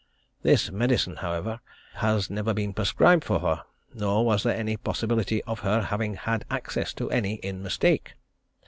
This medicine, however, had never been prescribed for her, nor was there any possibility of her having had access to any in mistake.